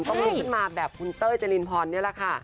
ลุกขึ้นมาแบบคุณเต้ยเจรินพรนี่แหละค่ะ